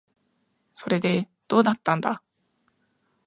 それで、どうだったんだ。